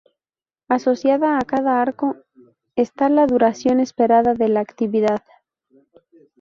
Asociada a cada arco está la duración esperada de la actividad.